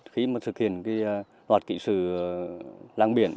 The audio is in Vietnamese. khi mà thực hiện loạt kỵ sử lang biển